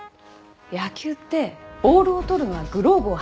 野球ってボールを捕るのはグローブをはめたほうの手よね？